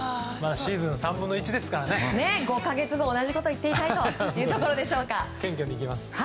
シーズン３分の１ですからね。５か月後、同じことを言っていたいというところでしょうか。